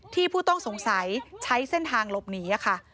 ผู้ต้องสงสัยใช้เส้นทางหลบหนีค่ะ